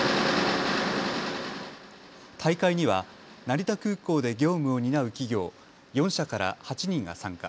大会には成田空港で業務を担う企業４社から８人が参加。